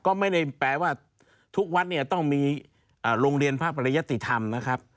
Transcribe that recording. ก็ไม่ได้แปลว่าทุกวัดเนี่ยต้องมีโรงเรียนพระปริยติธรรมนะครับ